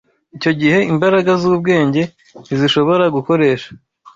icyo gihe imbaraga z’ubwenge ntizishobora gukoresha